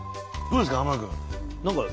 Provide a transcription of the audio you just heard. どうですか？